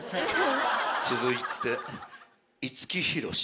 続いて五木ひろし